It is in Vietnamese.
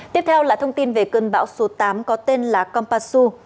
tiếp theo là thông tin về cơn bão số tám có tên là kompasu